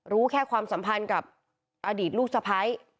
รู้แค่ความสัมพันธ์กับอดีตลูกสะพ้าย